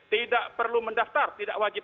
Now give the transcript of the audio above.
tidak perlu mendaftar tidak wajib